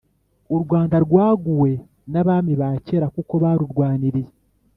U Rwanda rwaguwe n’abami bakera kuko barurwaniriye